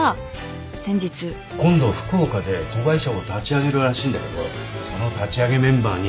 今度福岡で子会社を立ち上げるらしいんだけどその立ち上げメンバーに